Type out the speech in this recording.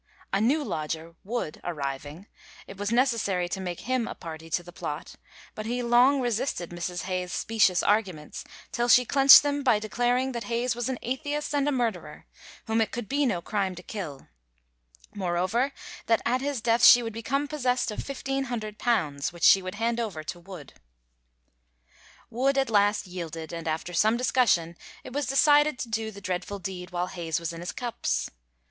A new lodger, Wood, arriving, it was necessary to make him a party to the plot, but he long resisted Mrs. Hayes's specious arguments, till she clenched them by declaring that Hayes was an atheist and a murderer, whom it could be no crime to kill; moreover that at his death she would become possessed of £1,500, which she would hand over to Wood. Wood at last yielded, and after some discussion it was decided to do the dreadful deed while Hayes was in his cups.